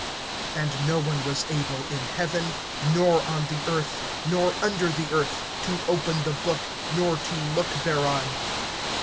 (3)And no one was able, in heaven, nor on the earth, nor under the earth, to open the book, nor to look thereon.